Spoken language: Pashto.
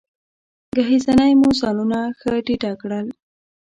ګهیځنۍ مو ځانونه ښه ډېډه کړل.